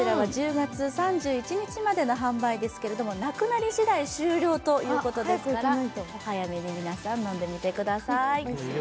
１０月３１日までの販売ですがなくなりしだい、終了ということですからお早めに皆さん、飲んでみてください。